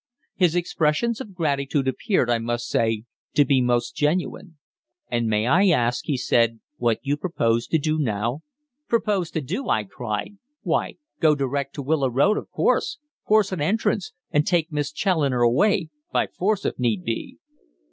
His expressions of gratitude appeared, I must say, to be most genuine. "And may I ask," he said, "what you propose to do now?" "Propose to do!" I cried. "Why, go direct to Willow Road, of course, force an entrance, and take Miss Challoner away by force, if need be."